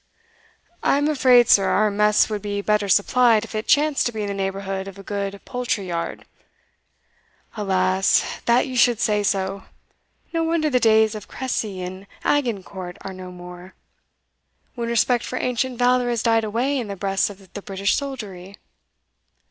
"I am afraid, sir, our mess would be better supplied if it chanced to be in the neighbourhood of a good poultry yard." "Alas, that you should say so! No wonder the days of Cressy and Agincourt are no more, when respect for ancient valour has died away in the breasts of the British soldiery."